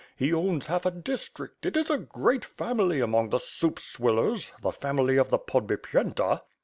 He owns half a district; it is a great family among the soup swillers, the family of the Podbipyenta."